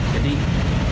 jadi ini tujuan